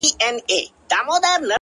بيا د تورو سترګو و بلا ته مخامخ يمه”